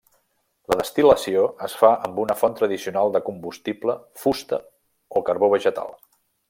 La destil·lació es fa amb una font tradicional de combustible fusta o carbó vegetal.